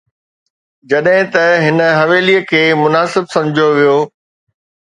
جڏهن ته هن حويلي کي مناسب سمجهيو ويو.